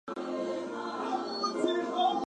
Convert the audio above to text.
The film touches on comedy, drama, and romance.